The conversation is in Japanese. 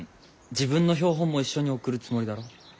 自分の標本も一緒に送るつもりだろ？